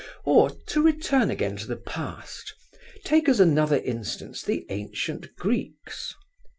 Or, to return again to the past, take as another instance the ancient Greeks.